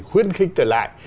khuyến khích trở lại